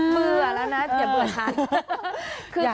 เบื่อแล้วนะอย่าเบื่อทัน